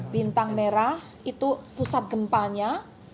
bintang merah itu pusat gempanya